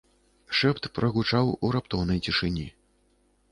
Шэпт прагучаў у раптоўнай цішыні.